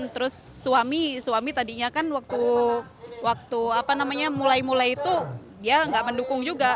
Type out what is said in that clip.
terus suami suami tadinya kan waktu mulai mulai itu dia nggak mendukung juga